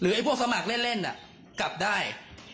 หรือไอ้พวกสมัครเล่นอ่ะกลับได้